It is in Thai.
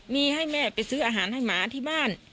มีให้แม่ไปซื้ออาหารให้หมาที่บ้าน